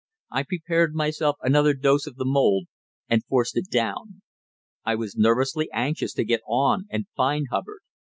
I prepared myself another dose of the mould, and forced it down. I was nervously anxious to get on and find Hubbard.